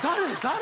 誰？